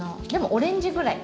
オレンジぐらい？